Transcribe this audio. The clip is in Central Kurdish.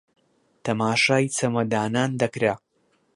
تەماشای چەمەدانان دەکرا